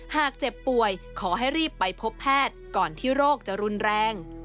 หากเจ็บป่วยขอให้รีบไปพบแพทย์ก่อนที่โรคจะรุนแรง